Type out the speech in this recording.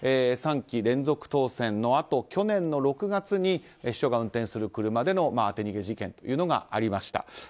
３期連続当選のあと去年の６月に秘書が運転する車での当て逃げ事件がありました。